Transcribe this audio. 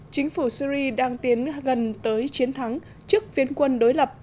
chính phủ syri đang tiến gần tới chiến thắng trước phiến quân đối lập